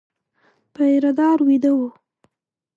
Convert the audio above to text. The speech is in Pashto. پيره دار وېده و.